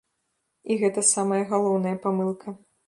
І гэта самая галоўная памылка.